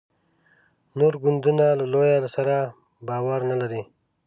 نور ګوندونه له لویه سره باور نه لري.